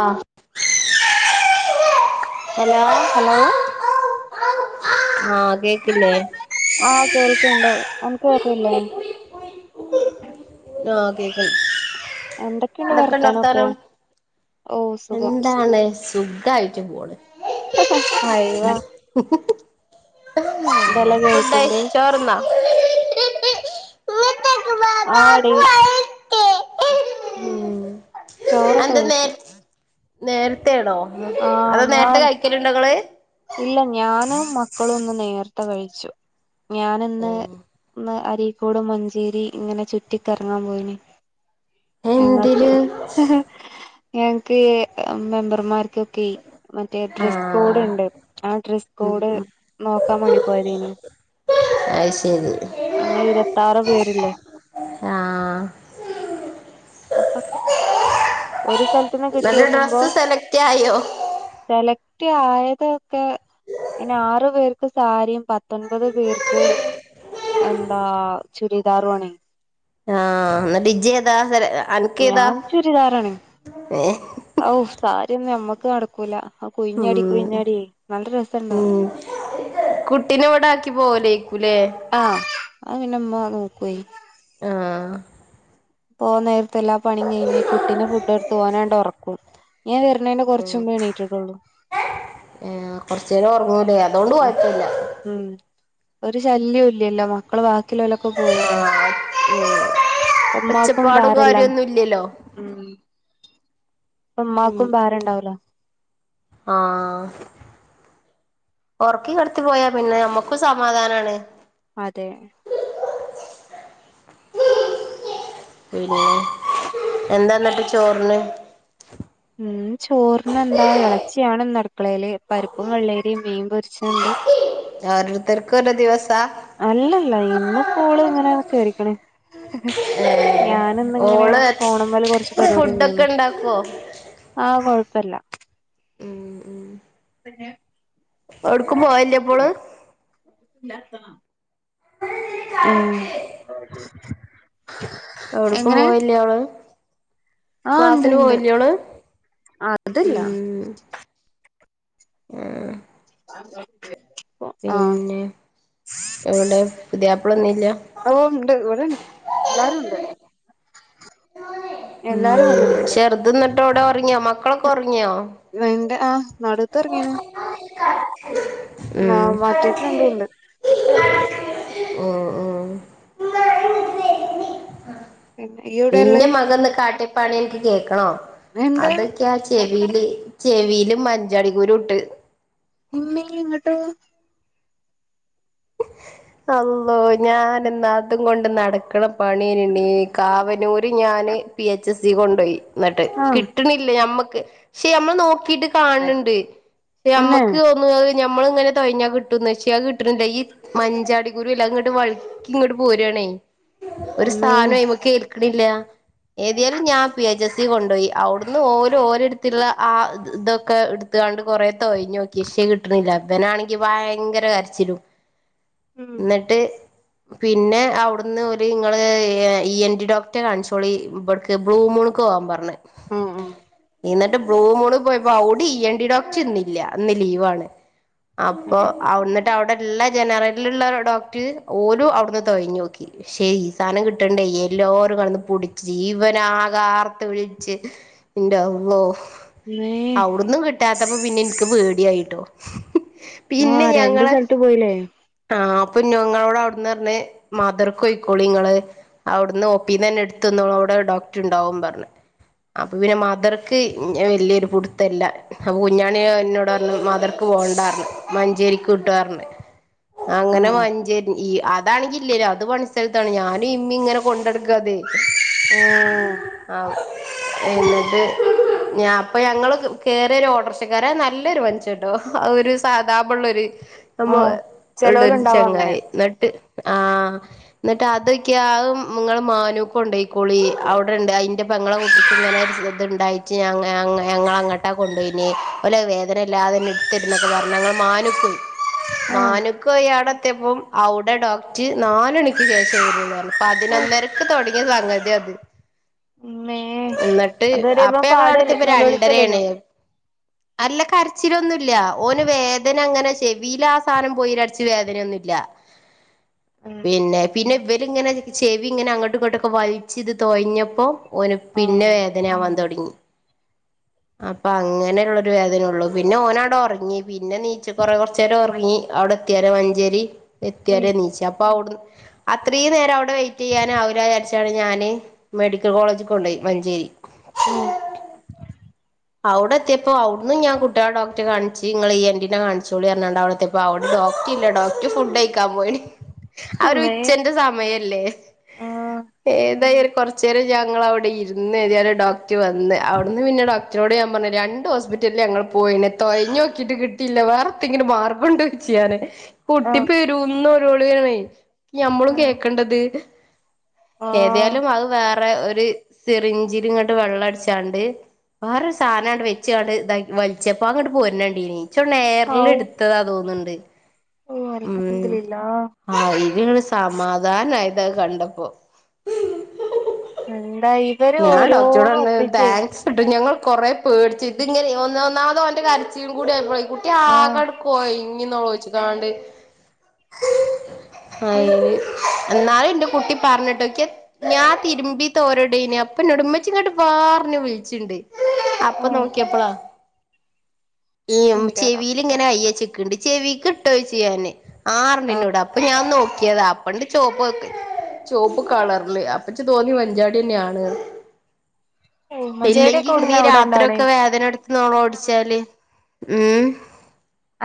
ആഹ് hello hello ആഹ് കേ‌ക്കില്ലേ ആഹ് കേൾക്കെണ്ട് അൻക്ക് കേൾ‌ക്കില്ലേ ആഹ് കേക്ക് എന്തൊക്കെണ്ട് വർത്താനൊക്കെ ഓഹ് സുഖം എന്താണ് സുഖായിട്ട് പോണ് [inaudible] ഇതല ഫുഡയി കേൾ‌ക്കിണ്ട് ചോറ്ന്നോ ആടീ ഉം ചോറൊക്കെ എന്താ കഴിച്ചു നേര് നേരത്തേണോ ആഹ് അതോ നേരത്തെ ഞാൻ കഴിക്കല്ണ്ടോങ്ങള് ഇല്ല ഞാനും മക്കളും ഇന്ന് നേർത്തെ കഴിച്ചു ഞാന്ന്ന് ന്ന് അരീക്കോട് മഞ്ചേരി ഇങ്ങനെ ചുറ്റിക്കറങ്ങാൻ പോയിന് എന്തില് ഞങ്ങക്കടെ ഞങ്ങക്ക് ഈ മെമ്പർമാർക്ക് ത്തി മറ്റേ ഡ്രസ്സ് കോഡ് ആഹ് ഉണ്ട് ആ ഡ്രസ്സ് കോഡ് നോക്കാമാണ്ടി പോയതേനി അയ്ശെരി ഞങ്ങള് ഇരുപത്താറ് പേരില്ലേ ആഹ് [inaudible] അപ്പൊം ഒരു സ്ഥലത്ത്ന്ന് കിട്ടി എന്നിട്ട് യോക്കുമ്പോ ഡ്രസ്സ് സെലക്ട് ആയോ സെലക്ട് ആയതൊക്കെ ഇങ്ങനെ ആറു പേർക്ക് സാരിയും പ ത്തൊൻപത് പേർക്ക് എന്താ ചുരിദാറുവേണേ ആ എന്നിട്ട് ഇജ്ജ് ഏതാ സെല അൻക്കേതാ ഞാൻ ചുരിദാറാണ് ഏ ഔ സാരിയൊന്നും അമ്മക്ക് നടക്കൂല ആ കുയിഞ്ഞാടി കുഴിഞ്ഞാടിയേ നല്ല രെസംയിണ്ടാവും കുട്ടിനേ ഇവിടാക്കി പോവൂലേക്കുല്ലേ ആ അത് പിന്നെ ഉമ്മ നോക്കുവേ ആഹ് പോവാൻ നേരത്ത് എല്ലാ പണിം കഴിഞ്ഞ് കുട്ടിനെ ഫുഡ് കൊടുത്ത് ഓനട് ഒറക്കും ഏ വര്ണേന്റെ കൊറച്ച് മുമ്പേ എണീറ്റുട്ടുള്ളൂ ഏ കൊറച്ചേരം ഒറങ്ങൂലേ ആ ഉം ഒരു ശല്യം ഇല്ലല്ലോ മക്കള് ബാക്കിയുള്ളോലൊക്കെ പോയി ആ അതെ ഉമ്മാക്കും ഭാരല്ല പ്പം ഉമ്മാക്കും ഭാരം ഉണ്ടാവൂലാ ആഹ് ഒറക്കി കെടത്തി പോയാ പിന്നെ നമ്മക്കും സമാധാനാണ് അതെ പിന്നെ എന്താ എന്നിട്ട് ചോറിന് ഉം ചോറിന് എന്താ എളച്ചിയാണ്ന്ന് അടക്കളേല് പരിപ്പും വെള്ളെരിയും മീൻ പൊരിച്ചെ ഇണ്ട് ആരുത്തർക്ക് പ്രത് ദിവസാ അല്ലല്ല ഇന്നു ഇപ്പോ ഓള് ഇങ്ങനെ കേറിക്കണ് ഏഹ് ഞാന് ഇന്നിങ്ങനെ ഓള് ഫോണുമ്മേല് കൊറച്ച് പരിപാടി ഇണ്ടേരുന്നു ഉവ്വോ ആ കൊഴ്പ്പല്ല പിന്നെ ഓടുക്കും പോവല്യ [inaudible] ഉം [inaudible] ഏടുക്കും എങ്ങനെ പോയില്ലേ അവള് ആഹ് ഉണ്ട് ക്ലാസിന് ഉണ്ട് പോയില്ലെ ഓള് അതില്ല ഉം ക്ലാസ്സക്ക് പിന്നെ എവിടെ പുതിയാപ്പിള ന്നില്ലാ ഓ ഇണ്ട് ഇവിടെണ്ട് എല്ലാരും ഉണ്ട് മ് എല്ലാരും വന്നിട്ടുണ്ട് ചെറുത് ന്നിട്ടോ എവിടെ ഒറങ്ങിയോ മക്കളൊക്കെ ഒറങ്ങിയോ ന്നിണ്ട് ആ നടൂത്തെ ഒറങ്ങീന് ന ഉം റ്റേര് രണ്ടും ഉണ്ട് ഉം ഉം പിന്നെ ഇയ്യ് എവിടെയാ ഉള്ളെ ഇന്റെ മകൻ ഇന്ന് കാട്ടിയ പണി എനക്ക് കേക്കണോ എന്താ അതൊക്കെയാ ചെവിയില് ചെവിയില് മഞ്ചാടിക്കുരു ഇട്ട് ഇമ്മേ ഇങ്ങിട്ടോ അള്ളോ ഞാന് എന്നാ അതും കൊണ്ട് നടക്കണ പണിയേനുണ്ണീ കാവനൂര് ഞാന് പി എച്ച് എസ് സി കൊണ്ടോയി എന്നിട്ട് ആഹ് കിട്ടണില്ല ഞമ്മക്ക് പക്ഷെ അമ്മള് നോക്കിട്ട് കാണണുണ്ട് ക്ഷെ തന്നെ ഞമ്മക്ക് ഒന്ന് അത് ഞമ്മള് ഇങ്ങനെ തൊഴഞ്ഞാ കിട്ടുംന്ന് വെച്ച് അത് കിട്ടണില്ല ഈ മഞ്ചാടി കുരു ഇല്ലേ അത് ഇങ്ങോട്ട് വഴ്ക്കി ഇങ്ങോട്ട് പോരുവാണേ ഒരു ഇമ്മേ സാനം അയ്മക്ക് ക്കിണില്ല ഏതിയാലും ഞാൻ പി എച്ച് എസി കൊണ്ടോയി അവിടുന്ന് ഓര് ഓരെടുത്തിള്ള ആഹ് ഇത് ഇതൊക്കെ എട് ത്തുകാണ്ട് കൊറേ തോയ്ഞ്ഞോക്കി ഇക്ഷേ കിട്ടണില്ലാ ഇവനാണെങ്കി വയങ്കര കരച്ചിലും എന്നിട്ട് പിന്നെ അവിടുന്ന് ഒരു ഇങ്ങള് ഇ എൻ ഡി ഡോക്ടറെ കാണിച്ചോളീ ഇവട ബ്ലൂമൂണ്ക്ക് പോവാൻ പറഞ്ഞ് മ് മ് ഇന്നട്ട് ബ്ലൂമൂണ് പൊയ്പ്പോ അവിടെ ഇ എൻ റ്റി ഡോക്ടർ ഇന്നില്ല ഇന്ന് ലീവാണ് അപ്പൊ അടി അവി എന്നിട്ട് അവിടെ ഉള്ള ജനറലിലുള്ള ഒരു ഡോക്ടറ് ഓരും അവിടുന്ന് തൊയഞ്ഞു നോക്കി ക്ഷേ ഈ സാനം കിട്ടണ്ടേ യെല്ലാരും കെടന്ന് പുടിച്ച് ഇവനാകെ ആർത്ത് വിളിച്ച് എന്റെ അള്ളോ ഇമ്മേ അവിടുന്നും കിട്ടാത്തപ്പോ പിന്നെ എനിക്ക് പേടിയായിട്ടോ പിന്നെ ഞങ്ങള് ഇന്ന് പോയില്ലേ ആഹ് അപ്പൊ ഞങ്ങളോട് അവിടുന്ന് പറഞ്ഞ് മതറൊക്ക് പോയിക്കോളി നിങ്ങള് അവിടുന്ന് ഒപ്പീന്നന്നെ എടുത്തുനിന്നോള് അവിടെ ഡോക്ടർ ഉണ്ടാവും പറഞ്ഞ് അപ്പൊ പിന്നെ മദർക്ക് വലിയൊരു പുടുത്തില്ല അപ്പൊ കുഞ്ഞാണി എന്നോട് പറഞ്ഞ് മദർ ക്കു പോകണ്ടാര്ന്നു മഞ്ചേരിക്ക് വിട്ടാന്നറഞ്ഞു അങ്ങനെ ആഹ് മഞ്ചേ ഈ അതാണെങ്കി ഇല്ലേല്ലോ അത് പണി സ്ഥലത്താണ് ഞാനും ഇമ്മിം ഇങ്ങനെ കൊണ്ടെടുക്കാത് ഏഹ് ആഹ് എന്നിട്ട് ഞാൻ അപ്പൊ ഞങ്ങള് കേറിയൊരു ഓട്ടോർഷക്കാരൻ നല്ലൊരു മുനഷ്യൻട്ടോ അത് ഒരു സാദാപോലെ ഉള്ളൊരു അമ്മ ആഹ് ഉള്ളൊരു ചെലോലുണ്ടാവും അങ്ങനെ ചങ്ങായി എന്നിട്ട് ആഹ് എന്നിട്ട് അതൊക്കെ ആഹ് നിങ്ങള് മാനൂക്ക് കൊണ്ടോയിക്കോളി അവിടൊണ്ട് അതിന്റെ പെങ്ങളെ കുട്ടിക്ക് ഇങ്ങനെ ഇതുണ്ടായിട്ട് ഞ ഞങ്ങ ഞങ്ങളങ്ങട്ടാ കൊണ്ടോയിന് ഓല് വേദനയില്ലാതെ തന്നെ എടുത്തിരുന്നൊക്കെ പറഞ്ഞ് ഞങ്ങൾ മാനുക്കു ആഹ് മാനുക്ക് പോയി അവടെത്തീപ്പോ അവിടെ ഡോക്ടറ് നാലുമണിക്ക് ശേഷേ വരൂന്ന് പറഞ്ഞ് ഔ പതിനൊന്നരക്ക് തൊടങ്ങിയ സംഗതിയാ അത് ഇമ്മേ എന്നട്ട് അതുവരെ അപ്പ ഇവൻ പാടല്ലേ ഞങ്ങളവിടെത്തിയപ്പോ നിലോളിക്കല്ലേനോ രണ്ടരയാണ് അല്ല കരച്ചിലൊന്നുംല്ല ഓന് വേദന അങ്ങനെ ചെവീലാസാനം പോയി ര ച്ച് വേദനയൊന്നുല്ല ആഹ് പിന്നെ പിന്നെ ഇവരിങ്ങനെ ചെവി ഇങ്ങനെ അങ്ങോട്ടും ഇങ്ങോട്ടൊക്കെ വലിച്ച് ഇത് തോയ്ഞ്ഞപ്പോ ഓന് പിന്നെ ആഹ് വേദനയാവാൻ തൊടങ്ങി അപ്പം അങ്ങനൊള്ളൊരു വേദനയൊള്ളു പിന്നെ ഓന് അവിടെ ഉറങ്ങി പിന്നെ എനീച്ച് കുറേ കുറച്ചേരം ഉറങ്ങി അവിടെ എത്തിയരെ മഞ്ചേരി ഉം എത്തിയരെ എനീച്ച് അപ്പൊ അവിടുന്ന് അത്രീം നേരം അവിടെ വെയിറ്റെയ്യാൻ ആവില്ല വിചാരിച്ചാണ് ഞാന് മെഡിക്കൽ കോളേജിൽ കൊണ്ടോയി മഞ്ചേരി ഉം അവടെത്തിയപ്പോ അവുടന്ന് ഞാൻ കുട്ടികളെ ഡോക്ടറെ കാണിച്ച് ഇങ്ങള് ഇ എൻ റ്റി നെ കാണിച്ചോളി പറഞ്ഞിണ്ട് അവിടെത്തെ അപ്പൊ അവടെ ഡോക്ട്രില്ല ഡോക്ടർ ഫുഡ് കൈക്കാൻ പോയിണ് അവര് ഇമ്മേ ഉച്ചേന്റെ സമയല്ലേ ആഹ് ഏതായാലും കുറച്ചു നേരം ഞങ്ങള് അവിടെ ഇരുന്ന് ഏതായാലും ഡോക്ടർ വന്ന് അവിടുന്ന് പിന്നെ ഡോക് അച്ഛനോട് ഞാൻ പറഞ്ഞ് രണ്ട് ഹോസ്പിറ്റലിൽ ഞങ്ങൾ പോയീന് തൊയ്ഞ്ഞു നോക്കിട്ട് കിട്ടീല്ല വേറെന്തിങ്കിനും മാർഗൊണ്ടോന്ന് ചോ യിച്ചു ഞാന് കുട്ടി പെരുംനിലോളിയാണ് ഞമ്മളും ആഹ് കേൾക്കണ്ടേത് ഏതായാലും ഔ അത് വേറെ ഒരു സിറിഞ്ചില് ഇങ്ങട്ട് വെള്ളം അടിച്ചാണ്ട് വേറൊരു സാധനം അങ്ങോട്ട് വെച്ച്ങ്ങാണ്ട് ഇതാ വലിച്ചപ്പോ അതിങ്ങോട്ട് പോരുന്ന കണ്ടീനി നിച്ച് എയറില് എടുത്തതാ തോന്നുണ്ട് ഓ അൽഹംദുലില്ലാഹ് ആഹ് ഇരുങ്ങൾ സമാധാനായി ഇതൊക്കെ കണ്ടപ്പോ. എന്താ ഇവര് ഓരോന്ന് ഒപ്പിച്ചേ പട്ട ഞങ്ങൾ കൊറേ പേടിച്ച് ഇതിങ്ങനെ ഒന്ന ഒന്നാതോ ഓന്റെ കരച്ചിലും കൂടി ആയപ്പഴേ കുട്ടി ആഹ് ആകെ കൊയിഞ്ഞ്ന്ന്ഓച്ച്ക്കാണ്ട് [unintelligible] എന്നാലും എന്റെ കുട്ടി പറഞ്ഞിട്ട്ക്കെ ഞാൻ തിരുമ്പി തോരടിനെയ അപ്പൊനൊടുമ്മച്ചി ഇങ്ങൊട്ട് വാറിഞ്ഞ വിളിച്ചുണ്ട് അപ്പൊ ആഹ് നോക്കിയപ്പളാ.. ഈ ന്റെ ചെവിൽ റബ്ബേ ഇങ്ങനെ അയ്യ ചെക്ക്ണ്ട് ചെവിക്ക് ഇട്ടോച്ച്യൻ ആഹ് ആറൊണ്ടിന്റോടെ. അപ്പോഞാൻ നോക്കിയതാ അപ്പണ്ട് ചൊപ്പോ ക്ക്. ചോപ്പ് കളറില് അപ്പച്ച് തോന്നി മഞ്ചാടിന്നെ ആണ്ന്ന്. ഇല്ലെങ്കി ഉമ്മൻചാടിയൊക്കെ ന്നീ എവിടുന്നാ അവിടെ ഇണ്ടാവണേ രാത്രിയൊക്കെ വേദന എടുത് നോളോടിച്ചാല് ഉം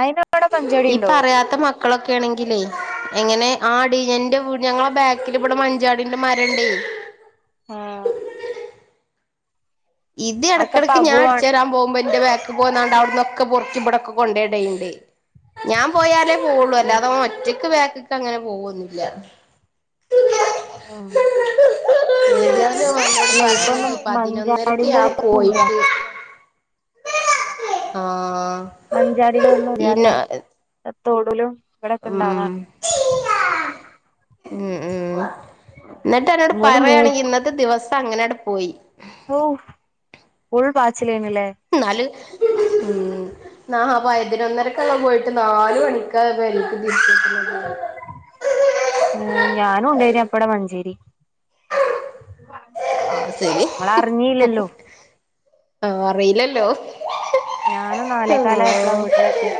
അയിനവിടെ മഞ്ചാടി ഈ ഇണ്ടോ പറയാത്ത മക്ക ക്കളൊക്കെ യാണെങ്കിലേ എങ്ങനെ ആടീ ഞ്ഞന്റെ വീട് ഞങ്ങള ബാക്കിൽ ഇവിടെ മഞ്ചാടീന്റെ മരോണ്ടേ. ആഹ് അതൊക്കെപ്പ ഇതിടക്കിടക്ക് ഞാൻ അപൂർവാണ് അടുച്ചാരാൻ പോകുമ്പോന്റെബാക് പോന്നാണ്ട് അവിടന്നൊക്കെ പൊറുക്കി ഇവിടൊക്കെ കൊണ്ടേടയ്ണ്ട് ഞാൻ പോയാല് പോള്ളു അല്ലാതെ ഒറ്റക്ക് ബാക്കിക്ക് അങ്ങനെ പോവുന്നില്ല ഉം അട് [unintelligible] അല്ലെ ഇപ്പൊന്നും പറഞ്ഞ പതിനൊന്നര മഞ്ചാടിന്റെതൊന്നും ഇല്ല യാപോയിട്ട് ആഹ് മഞ്ചാടീടതൊന്നുല്ലാത്ത പിന്നെ തോടുലും. ഉം. ഉം ഉം എന്നിട്ടരോട് ഓല് മൂ പറയാണെങ്കി ഇന്നത്തെ ദിവസം അങ്ങനട്പോയി. ഉം ഉൾബാച്ചിലേനല്ലേ? ന്നാല് ഉം. നാ പയതിനൊന്നരക്കള്ള പോയിട്ട് നാലുണിക്കാ വരുന്ന [unintelligible] ആഹ് ഞാനുണ്ടായിനേ അപ്പടെ മഞ്ചേരി. സെരി നമ്മളറിഞ്ഞീല്ലല്ലോ ആറീലല്ലോ? ഞാനും നാലേകാലായപ്പളാ വീട്ടിലെത്തി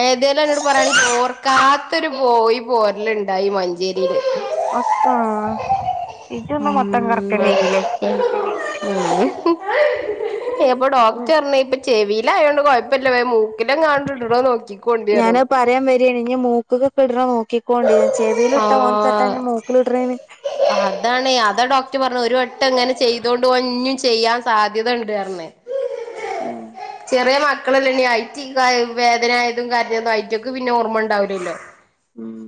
ഏതേലും എന്നൊട് പറയണ ഓർക്കാത്തൊരു പോയി പോരലുണ്ടായി മഞ്ചേരി വീട് [unintelligible] അക്കാ ഇജന്ന് മത്തംകർക് ഉം ഉം.. ഏഹ് എപ ഉം ഡോക്ടർ ഇപ്പൊ ചെവീലായോണ്ട് കൊഴയപ്പില്ല വേമൂക്കിലങ്ങാണ്ടടടോ നോക്കിക്കൊണ്ടര്ണു. വേംവരീൻ ഇനി മൂക്ക്‌ക്ക്‌ടണ നോക്കിക്കോണ്ടി ചെവിലിട്ട ഓനക്കത്തന്നെ മൂക്കിലിട്റേന്. അതാണേ അതാ ഡോക്റ്റ് പറഞ്ഞത് ഒരു വട്ടംങ്ങനെ ചെയ്തോ ട്ടൊഞ്ഞിൻ ചെയ്യാൻ സാധ്യത ഉണ്ടറ ഞ്ഞ് ഉം ചെറിയ മക്കളല്ലേ ഇനി ഐടി കായും വേദനയായതും കാര്യും ഐറ്റക്ക് പിന്നെ ഓർമ്മ ഉണ്ടാവലൂല്ലല്ലൊ. ഉം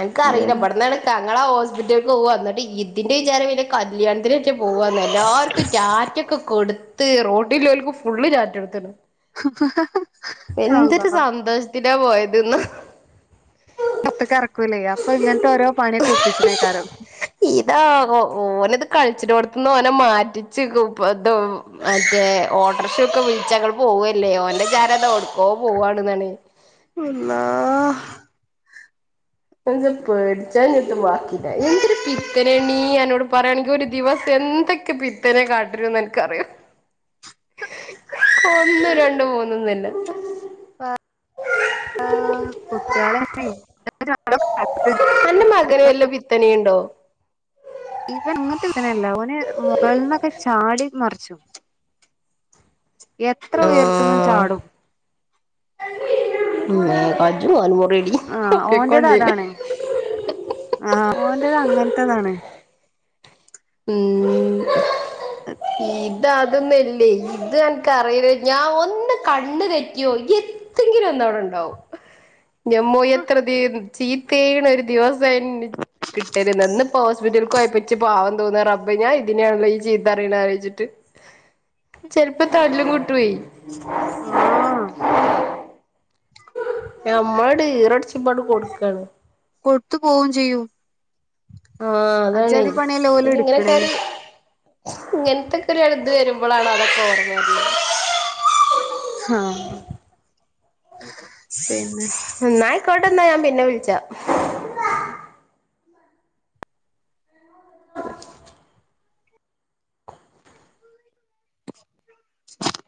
എന്ക്കറിയില്ല അതന്നെ ഇബ്ടന്നള്തങ്ങളാ ഹോസ്പിറ്റ ക്കോവന്നിട്ട് ഇതിന്റെചാരം വെല്യ കല്യാണത്തിന്- പോവാന്നെ എല്ലാർക്കും റ്റാറ്റെക്കെ കൊടുത്ത് റോഡിലോൽക്ക് ഫുള്ള് റ്റാറ്റൊടുത്ത് അള്ളാ എന്തൊര് സന്തൊഷ്ത്തിലാ പോയതിന്ന പത്ത്ക്കറക്കൂലെ അപ്പൊ ഇങ്ങൻത്തെ ഓരോ പണിയെക്കെ ഒപ്പിച്ചിനിക്കാരോ. ഇതാ ഓ ഓനിത് കളിച്ചിടോട്ത്ത്ന്ന്‌ ഓനെ മാറ്റിച്ച് ഗുപ്പദോവ് അതേ ഓട്ടർഷൊക്കെ വിളിച്ചങ്ങള് പോവല്ലേഓന്റെചാരന്താ വിട്ക്കോ പോവാണ്ന്നാണ്. അള്ളാഹ്.. എന്ത് പേടിച്ചാഞ്ഞിട്ട് വാക്കീല എന്തരു പിത്തരെണീ യെന്നോട് പറയാണെങ്കി ഒരു ദിവസം എന്തൊക്ക ക്ക്‌ പിത്തനെ കാട്ടരുന്നെൻക്കറിയ്യ്യൊ? ഒന്ന്‌ രണ്ട് മൂന്ന്‌ന്നില്ല. ആ കുട്ടികളെന്നെയ് ന്റെ മകന് വല്ല പിത്തനിയുണ്ടോ? ഇവങ്ങത്തെ വേനല്ല ഓന് മുകളിന്നക്കെ ചാടി മറിച്ചു എത്ര ഉയര്ത്ത്ന്നും ചാടും മ്മ് കജ്ജും കാലും മുറിം ആ ഓന്റത് അതാണ് ആ ഓന്റത് അങ്ങൻത്തതാണ് ഉം ഇതതൊന്നില്ലേ ഇത് അൻക് അറിയോ ഞാഒന്ന് കണ്ണ് തെറ്റിയോൽക്ക് എ ത്തെങ്കിലും ഒന്നവിടണ്ടാവും ഞമ്മോ എത്ര ദി ചീത്തേണ് ഒരു ദിവസയ്ന് കിട്ടല് നോ ന് ഇപ്പോ ഹോസ്പിറ്റലൽക്കോയ്പ്പ ച്ച് പാവം തോന്നാറബ് ഞാ ഇതിനാണല്ല ഈ ചീതറീണീച്ചിട്ട് ചെൽപ്പം തല്ലും കിട്ടുയ് ആഹ് നമ്മളട് ഈറടുച്ചുബാണ്ട് കൊടുക്കാണ് കൊട്ത്തു പോവും ചെയ്യൂം ആ അതാണൈ പണിയല്ലേ ഓല് പിന്നെ എടുക്കണേ ഇങ്ങനെയൊക്കൊര് ഇങ്ങനത്തൊക്കെരു എഴുത് വരുമ്പോളാണതൊക്കെ ഓർമ്മവര്നത് ആ പിനെ ന്നായിക്കോട്ടെ ന്നാ ഞാം പിന്നെ വിൾച്ച [unintelligible] [unintelligible]